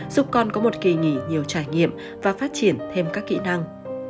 giúp con có một kỳ nghỉ nhiều trải nghiệm và phát triển thêm các kỹ năng